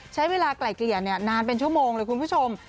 ใช้เวลาไกลเกลี่ยนานเป็นชั่วโมงเลยคุณผู้ชม